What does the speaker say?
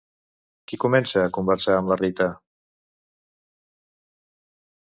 Qui comença a conversar amb la Rita?